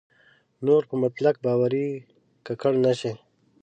نور په مطلق باورۍ ککړ نه شي.